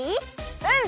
うん！